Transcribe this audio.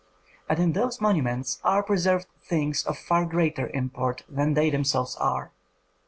But in those monuments are preserved things of far greater import than they themselves are.